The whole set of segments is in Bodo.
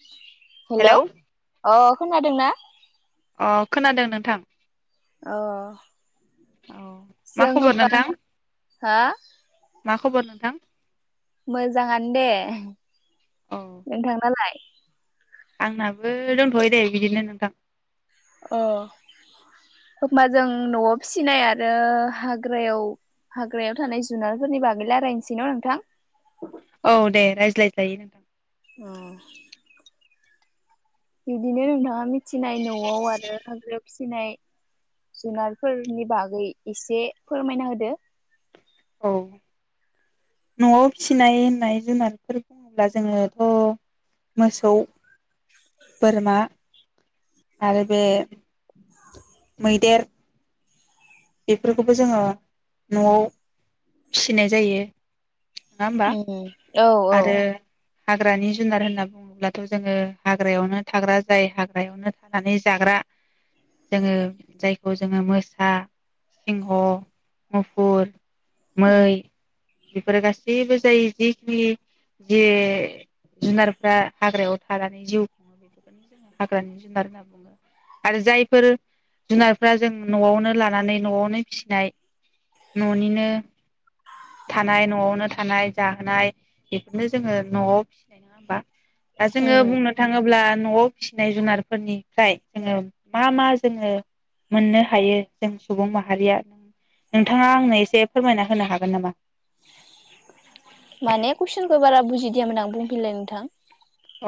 [inaudible] हेलौ अ खोनादों ना? अ खोनादों नोंथां औ औ मा जों खबर होमबा नोंथां हा मा खबर नोंथां? मोजाङानो दे औ नोंथां नालाय आंनाबो दंथ'यो दे बिदिनो नोंथां। अ ओमबा जों न'आव फिसिनाय आरो हाग्रायाव हाग्रायाव थानाय जुनारफोरनि बागै रायलायनोसै न' नोंथां औ दे रायज्लायजायो नोंथां अ बिदिनो नोंथाङा मिथिनाय न'आव आरो हाग्रायाव फिसिनाय जुनारफोरनि बागै एसे फोरमायना होदो। औ न'आव फिनाय होननाय जुनारफोर बुङोब्ला जोङोथ' मोसौ बोरमा आरो बे [inaudible] मैदेर बेफोरखौबो जोङो न'आव फिसिनाय जायो नङा होमबा ओम औ औ आरो हाग्रानि जुनार होनना बुङोब्लाथ' जोङो हाग्रायावनो थाग्रा जाय हाग्रायावनो थानानै जाग्रा जोङो जायखौ जोङो मोसा सिंह मुफुर मै उम बेफोरो गासैबो जाय जिखिनि जेरै जुनारफ्रा हाग्रायाव थानानै जिउ खुङो बेफोरखौनो जोङो हाग्रानि जुनार होनना बुङो आरो जायफोर जुनारफ्रा जों न'आवनो ला थानानै न'आवनो फिसिनाय न'निनो थानाय न'आवनो थानाय जाहोनाय बेफोरनो जोङो न'आव फिसिनाय नङा होमबा। दा जोङो उम बुंनो थाङोब्ला न'आव फिसिनाय जुनारफोरनिफ्राय जोङो मा मा जोङो मोननो हायो? जों सुबुं माहारिया नोंथाङा आंनो एसे फोरमायना होनो हागोन नामा? माने कुइसनखौ बारा बुजिदियामोन आं बुंफिनलाय नोंथां?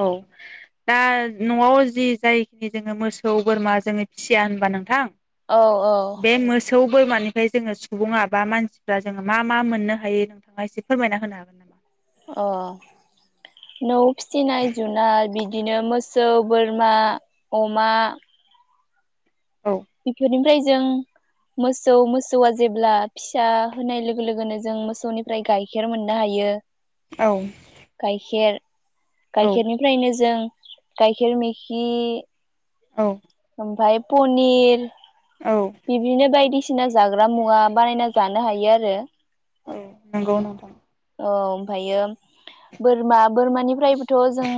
औ दा न'आव जि जायखिनि जोङो मोसौ, बोरमा जोङो फिसिया होनबा नोंथां? औ औ बे मोसौ बोरमानि ओमफ्राय जोङो सुबुङा बा मानसिफ्रा जोङो मा मा मोननो हायो नोंथाङा एसे फोरमायना होनो हागोन नामा? अ नौ फिसिनाय जुनाय बिदिनो मोसौ, बोरमा, अमा औ बेफोरनि ओमफ्राय जों मोसौ मोसौआ जेब्ला फिसा होनाय लोगो लोगोनो जों मोसौनिफ्राय गाइखेर मोननो हायो औ गायखेर औ गाइखेरनिफ्रायनो जों गाइखेर मिखि औ ओमफ्राय पनिर औ बिदिनो बायदि सिना जाग्रा मुवा बानायना जानो हायो आरो औ नंगौ नोंथां। औ ओमफायो बोरमा बोरमानिफ्रायबोथ' जों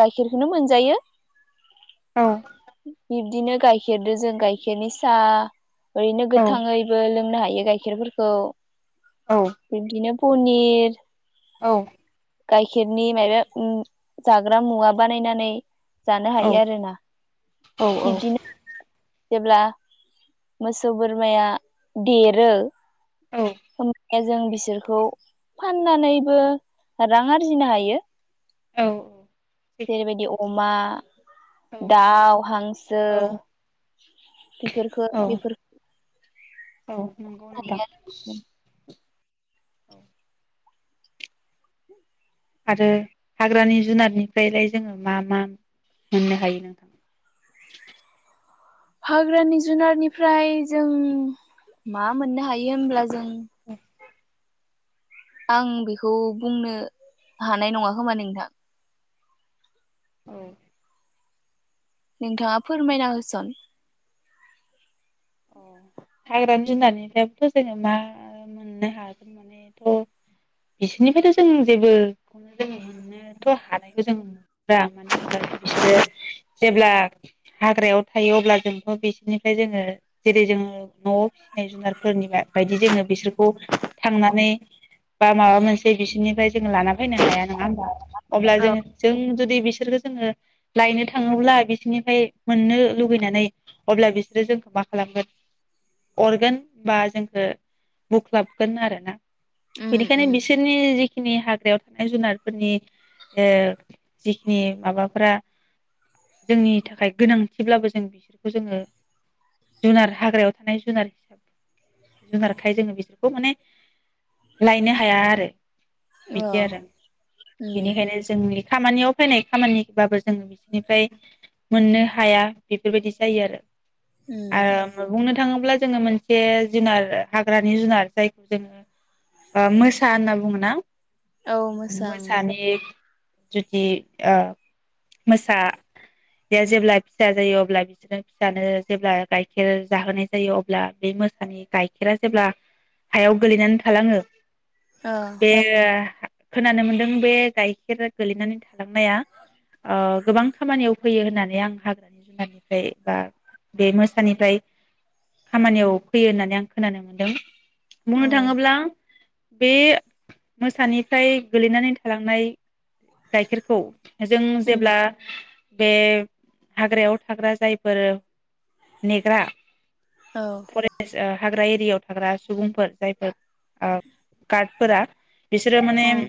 गाइखेरखौनो मोनजायोॅ। औ बिबदिनो गायखेरदो जों गाइखेरनि साहा ओरैनो औ गोथाङैबो लोंनो हायो बे गाइखेरफोरखौ औ बिदिनो पनिर औ गाइखेरनि माइबा उम जाग्रा मुवा बानायनानै जानो औ हायो आरोना औ औ बिबदिनो जेब्ला मोसौ बोरमाया देरो [unintelligible] जों बिसोरखौ फाननानैबो रां आरजिनो हायो। औ औ जेरै बायदि अ अमा दाउ हांसो औ बेफोरखौ बेफोर औ नंगौ नोंथां। औ आरो हाग्रानि जुनारनिफ्रायलाय जोङो मा मा मोननो हायो नोंथां? हाग्रानि जुनारनिफ्राय जों मा मोननो हायो होमब्ला जों जों आं बेखौ बुंनो हानाय नङा खोमा नोंथां । औ नोंथाङा फोरमायना होसन । अ हाग्रानि जुनारनिफ्रायथ' जोङो मा मोननो हागोन मानेथ' बिसोरनिफ्रायथ' जों जेबोखौनो जो मोननोथ' हानायखौ जों नुनो मानो होनब्ला बिसोरो जेब्ला हाग्रायाव थायो अब्ला जोंथ' बिसोरनिफ्राय जोङो जेरै जोङो न'आव फिसिनाय जुनारफोरनि बायदि जोङो बिसोरखौ थांनानै बा माबा मोनसे बिसोरनिफ्राय जोङो लाना फैनो हाया नङा होमबा । अब्ला जों जों जुदि बिसोरखौ जोङो लायनो थाङोब्ला बिसोरनिफ्राय मोननो लुगैनानै अब्ला बिसोरो जोंखौ मा खालामगोन अरगोन बा जोंखौ बुख्लाबगोन आरोना। उम बेनिखानि उम बिसनि जिखिनि हाग्रायाव थानाय जुनारफोरनि ओ जिखिनि माबाफोरा जोंनि थाखाय गोनांथिब्लाबो जों बिसोरखौ जोङो जुनार हाग्रायाव थानाय जुनार हिसाब जुनारखाय जोङो बिसोरखौ माने लायनो हाया आरो। औ बिदि आरो उम बेनिखायनो जोंनि खामानियाव फैनाय खामानिबाबो जोङो बिसोरनिफ्राय मोननो हाया बेफोरबायदि जायो आरो। उम आ बुंनो थां थाङोब्ला जोङो मोनसे जुनार हाग्रानि जुनार जायखौ जोङो मोसा होनना बुङो ना। औ मोसा उम मोसानि जुदि अ मोसा बे जेब्ला फिसा जायो अब्ला बिदिनो फिसानो जेब्ला गाइखेर जाहोनाय जायो अब्ला बे मोसानि गाइखेरा जेब्ला हायाव गोलैनानै थालाङो। औ बे खोनानो मोनदों बे गाय गायखेरा गोलैनानै थालांनाया अ गोबां खामानियाव फैयो होननानै आं हाग्रानि जुनारनिफ्राय बा बे मोसानिफ्राय खामानियाव फैयो होननानै आं खोनानो मोनदों। बुंनो औ थाङोब्ला बे मोसानिफ्राय गोलैनानै थालांनाय गाइखेरखौ जों उम जेब्ला बे हाग्रायाव थाग्रा जायफोर नेग्रा औ फरेस ओ थाग्रा एरियाायाव थाग्रा सुबुंफोर जायफोर औ [unintelligible] फोरा बिसोरो माने उम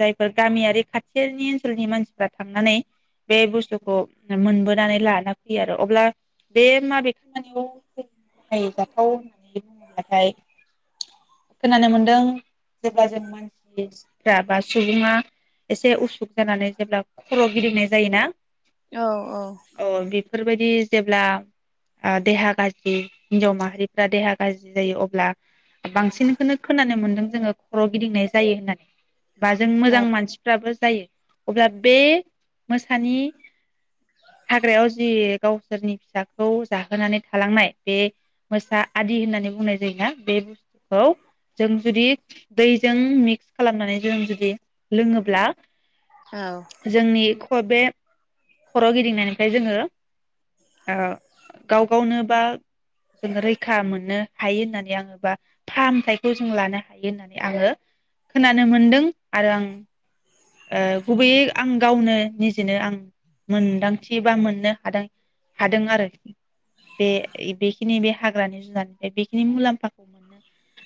जाय गामियारि खाथिनि ओनसोलनि मानसिफ्रा थांनानै बे बुस बथुखौ मोनबोनानै लाना फैयो आरो अब्ला बे माबे खामानियाव जों बाहायजाथाव होननानै बुङोब्लाथाय खोनानो मोनदों जेब्ला जों मानसिफ्रा बा सुबुङा एसे उसुख जानानै जेब्ला खर' गिदिंनाय जायोना औ औ अ बेफोरबायदि जेब्ला आ देहा गाज्रि हिन्जाव माहारिफ्रा देहा गाज्रि जायो अब्ला बांसिनखौनो खोनानो मोन्दों जोङो खर' गिदिंनाय जायो होननानै। बा जों औ मोजां मानसिफ्राबो। जायो अब्ला बे मोसानि हाग्रायाव जि गावसोरनि फिसाखौ जाहोनानै थालांनाय बे मोसा आदि होननानै बुंनाय जायोना बे बुस्थुखौ जों जुदि दैजों मिक्स खालामनानै जों जुदि लोङोब्ला। जोंनि ख बे खर' गिदिंनायनिफ्राय जोङो ओ गाव गावनो बा जों रैखा मोननो हायो होननानै आङो बा फाहामथायखौ जों लानो हायो होननानै आङो खोनानो मोनदों आरो आं। ओ गुबैयै आं गावनो निजेनो आं मोनदांथि बा मोननो हादों हादों आरो कि बे बेखिनि बे हाग्रानि जुुनारनिफ्राय बेखिनि मुलाम्फाखौ मोननो।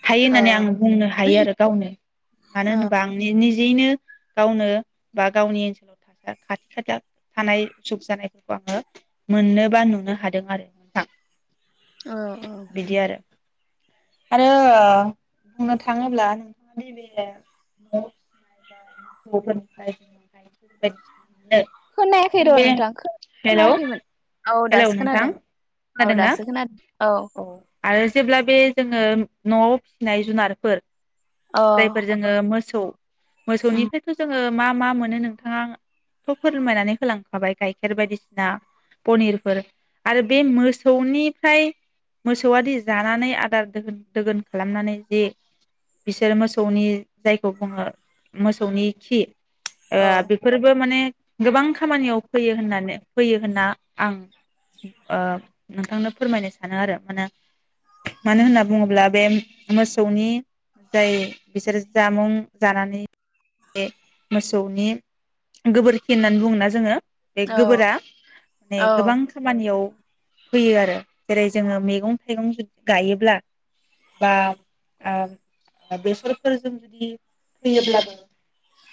हायो औ होननानै आं बुंनो हायो आरो गावनो मानो होनोबा आंनि निजे बिदिनो गावनो बा गावनि ओनसोलाव खाथि खाला थानाय सुख जानायफोरखौ आङो मोननो बा नुनो हादों आरो नोंथां। औ औ बिदि आरो आरो अ बुंनो थाङोब्ला नोंथाङा नैबे न'आव फिसिनाय बा [unintelligible] खोनायाखै जों र' बे नोंथां खो हेलौ खोनायाखैमोन औ हेलौ दासो नोंथां खोनादों औ खोनादोंना दासो खोनादों। औ आरो जेब्ला बे जोङो न'आव फिसिनाय जुनारफोर औ जायफोर जोङो मोसौ उम मोसौनिफ्रायथ' जोङो मा मा मोनो नोंथाङाथ' फोरमायनानै होलांखाबाय गाइखेर बायदिसिना पनिरफोर आरो बे मोसौनिफ्राय। मोसौआदि जानानै आदार दोहोन दोगोन खालामनानै जि बिसोर मोसौनि जायखौ बुङो मोसौनि खि अ औ बेफोरबो माने गोबां खामानियाव फैयो होननानै फैयो होनना आं अ नोंथांनो फोरमायनो सा सानो आरो माने मानो होनना बुङोब्ला बे मोसौनि जाय बिसोरो जामुं जानानै मोसौनि गोबोरखि होननानै बुङोना जोङो। बे औ गोबोरा माने औ गोबां खामानियाव फैयो आरो। जेरै जोङो मैगं थाइगं जुदि गायोब्ला बा अ बेसरफोरजों जुदि फैयोब्लाबो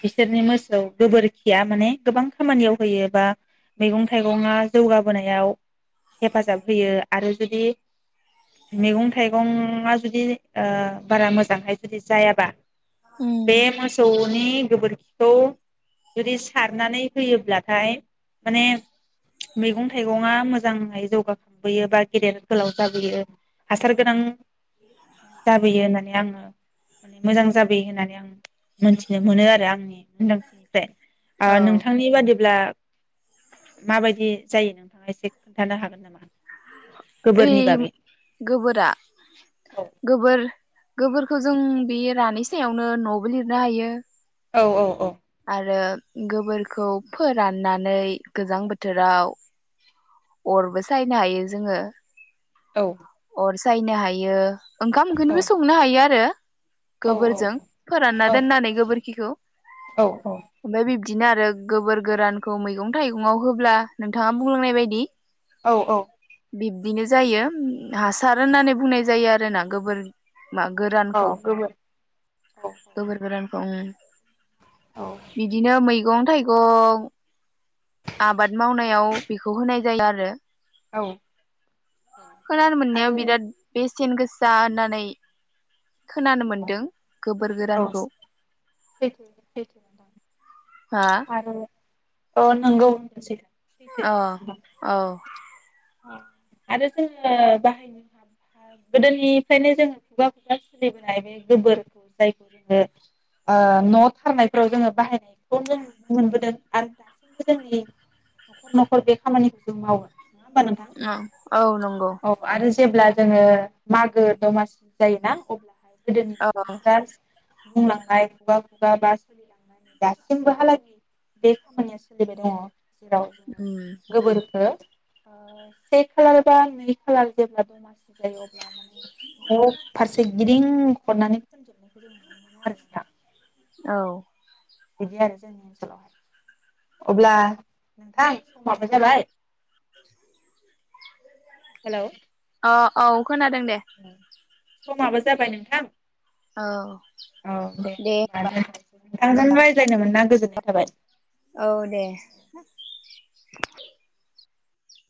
बिसोरनि मोसौ गोबोरखिया माने गोबां खामानियाव होयो बा मैगं थाइगंङा जौगाबोनायाव हेफाजाब होयो। आरो जुदि मैगं थाइगंङा जुदि अ बारा मोजांहाय जुदि जायाबा उम बे मोसौ नि गोबोरखिखौ जुदि सारनानै होयोब्लाथाय माने मैगं थाइगंङा मोजाङै जौगाखांबोयो बा गेदेर गोलाव जाबोयो हासार गोनां जाबोयो होननानै आङो माने मोजां जाबोयो होननानै आं मोनथिनो मोनो आरो आंनि मोनदांथिनिफ्राय अ औ नोंथांनि बादिब्ला माबायदि जायो नोंथाङा एसे खोन्थानो हागोन नामा? ओइ गोबोरनि बागै गोबोरा औ गोबोर गोबोरखौ जों बेयो रानै सायावनो न'बो लिरनो हायो। औ औ औ आरो गोबोरखौ फोराननानै गोजां बोथोराव अरबो सायनो हायो जोङो। औ अर सायनो हायो। ओंखाम औ ओंख्रिनिबो संनो हायो आरो । औ गोबोरजों फोरानना औ दोननानै गोबोरखिखौ औ ओमफाय बि बिदिनो आरो गोबोर गोरानखौ मैगं थाइग'ङाव होब्ला नोंथाङा बुंलोंनाय बायदि औ औ बिनो जायो हासार होननानै बुंनाय जायो आरोना गोबोर मा औ गोरानखौ गोबोर गोबोर गोरान दं थायगं आबाद मावनायाव बेखौ होनाय जायो आरो औ खोनोनो मोननायाव आरो बिराद बे [unintelligible] गोसा होननानै खोनानो मोन्दों गोबोर औ गोरानखौ सैथो सैथो हा आरो औ नोंगौ औ औ आरो जोङो बाहायनो गोदोनिफ्रायनो जोङो खुगा खुगा सोलिबोनाय बे गोबोरखौ जायखौ जोङो ओ न' थारनायफ्राव जोङो बाहायनायखौनो नुनो मोनबोदों आरो दासिमबो जोंनि न'खर न'खर बे खामानिखौ जों मावो। नङा होमबा नोंथां औ नंगौ। औ आरो जेब्ला जोङो मागो दमासि जायोना अब्लाहाय गोदोनि औ सुबुंफोरा बुंलांनाय खुगा खुगा बा सोलिलांनायनि दासिमबो हालागै बे खामानिया सोलिबाय दङ जेराव जोङो उम गोबोरखो से खालार बा नै खालार जेब्ला दमासि जायो अब्ला माने न' फारसे गिदिं खननानै दोनजोबनायखौ जों नुनो मोनो आरो ना । औ बिदि आरो जोंनि ओनसोलावहाय अब्ला नोंथां समाबो जाबाय हेल' अ औ खोनादों दे समाबो जाबाय नोंथां औ औ दे होनबा नोंथांजों रायज्लायनो मोनना गोजोन नाय थाबाय औ दे [inaudible]